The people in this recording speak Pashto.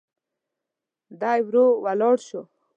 دی ورو ولاړ شو.